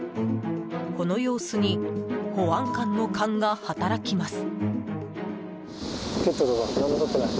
この様子に保安官の勘が働きます。